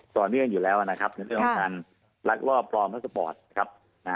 ต่อเนื่องอยู่แล้วนะครับในเรื่องของการลักลอบปลอมและสปอร์ตครับ